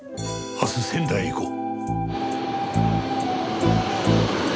明日仙台へ行こう。